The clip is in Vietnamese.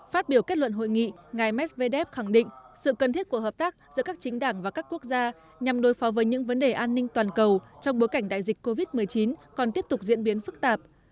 phát biểu kết luận hội nghị ngài medvedev khẳng định sự cần thiết của hợp tác giữa các chính đảng và các quốc gia nhằm đối phó với những vấn đề an ninh toàn cầu trong bối cảnh đại dịch covid một mươi chín còn tiếp tục diễn biến phức tạp